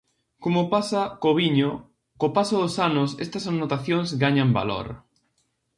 Como pasa co viño, co paso dos anos estas anotacións gañan valor.